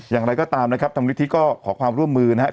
อย่างไรก็ตามนะครับทางนิธิก็ขอความร่วมมือนะครับ